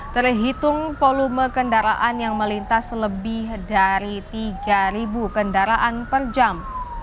terhitung volume kendaraan yang melintas lebih dari tiga kendaraan per jam